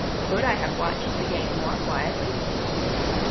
Could I have watched the game more quietly?'